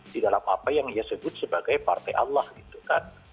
di dalam apa yang ia sebut sebagai partai allah gitu kan